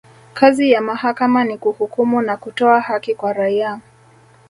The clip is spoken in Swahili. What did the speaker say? kazi ya mahakama ni kuhukumu na kutoa haki kwa raia